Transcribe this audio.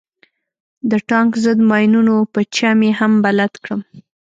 د ټانک ضد ماينونو په چم يې هم بلد کړم.